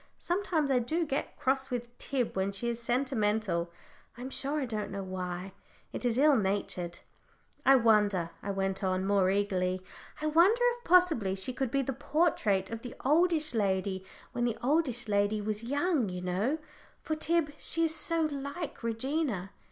Sometimes I do get cross with Tib when she is sentimental. I'm sure I don't know why it is ill natured. "I wonder," I went on, more eagerly, "I wonder if possibly she could be the portrait of the oldish lady when the oldish lady was young, you know, Tib, for she is so like Regina."